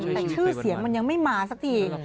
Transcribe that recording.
แต่ชื่อเสียงมันยังไม่มาสักที